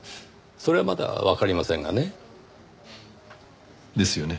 それはまだわかりませんがね。ですよね。